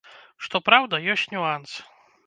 Што праўда, ёсць нюанс.